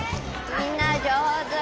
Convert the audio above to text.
みんなじょうず。